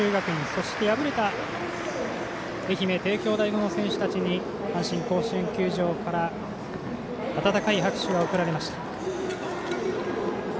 そして、敗れた愛媛、帝京第五の選手たちに阪神甲子園球場から温かい拍手が送られました。